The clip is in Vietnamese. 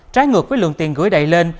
trái ngược với lượng tiền gửi đầy lên